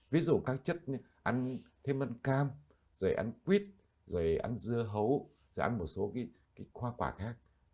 ví dụ các chất ăn thêm ăn cam rồi ăn quýt rồi ăn dưa hấu rồi dán một số hoa quả khác